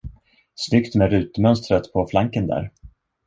Snyggt med rutmönstret på flanken där.